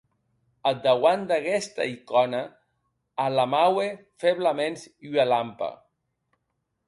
Ath dauant d'aguesta icòna ahlamaue fèblaments ua lampa.